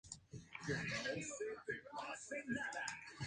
Su primer equipo fue el Ajax de Ámsterdam.